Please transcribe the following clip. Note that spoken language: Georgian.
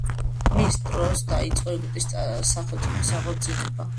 მის დროს დაიწყო ეგვიპტის სახელწმიფოს აღორძინება.